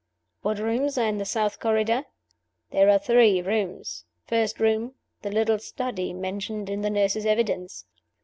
What rooms are in the South Corridor? There are three rooms. First room, the little study, mentioned in the nurse's evidence.